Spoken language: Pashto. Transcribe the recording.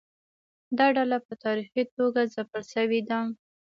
دا ډله په تاریخي توګه ځپل شوې ده.